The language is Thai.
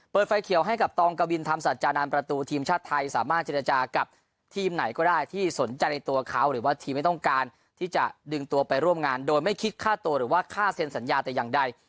ไฟเขียวให้กับตองกวินธรรมสัจจานามประตูทีมชาติไทยสามารถเจรจากับทีมไหนก็ได้ที่สนใจในตัวเขาหรือว่าทีมไม่ต้องการที่จะดึงตัวไปร่วมงานโดยไม่คิดค่าตัวหรือว่าค่าเซ็นสัญญาแต่อย่างใด